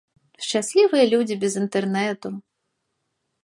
Шчаслівыя людзі без інтэрнэту!